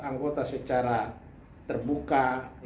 anggota secara terbuka